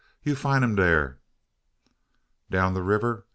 you find 'em dar." "Down the river!